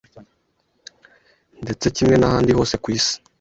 ndetse kimwe n’ahandi hose ku isi